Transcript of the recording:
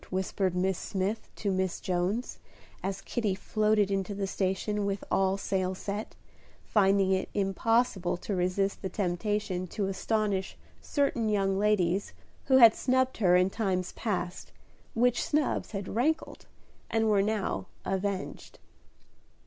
whispered Miss Smith to Miss Jones, as Kitty floated into the station with all sail set, finding it impossible to resist the temptation to astonish certain young ladies who had snubbed her in times past, which snubs had rankled, and were now avenged.